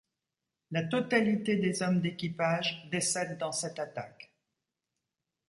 La totalité des hommes d'équipage décèdent dans cette attaque.